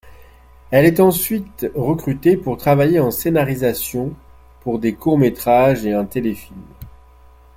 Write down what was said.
Elle est ensuite recrutée pour travailler en scénarisation, pour des courts-métrages et un téléfilm.